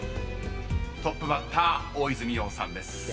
［トップバッター大泉洋さんです］